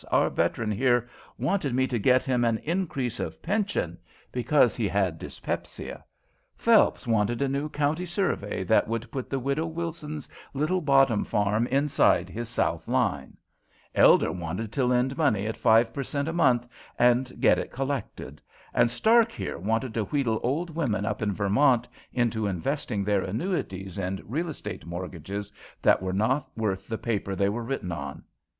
Our veteran here wanted me to get him an increase of pension, because he had dyspepsia; Phelps wanted a new county survey that would put the widow Wilson's little bottom farm inside his south line; Elder wanted to lend money at 5 per cent, a month, and get it collected; and Stark here wanted to wheedle old women up in Vermont into investing their annuities in real estate mortgages that are not worth the paper they are written on.